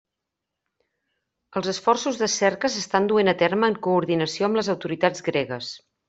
Els esforços de cerca s'estan duent a terme en coordinació amb les autoritats gregues.